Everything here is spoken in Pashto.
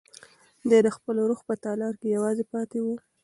دی د خپل روح په تالار کې یوازې پاتې و.